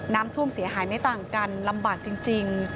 น้ำท่วมเสียหายไม่ต่างกันลำบากจริง